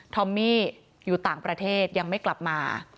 อมมี่อยู่ต่างประเทศยังไม่กลับมา